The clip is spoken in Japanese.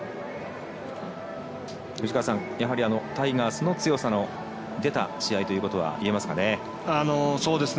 藤川さん、やはりタイガースの強さが出た試合ということはいえますかね。